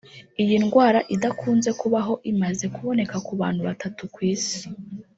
Iyi ndwara idakunze kubaho imaze kuboneka ku bantu batatu ku isi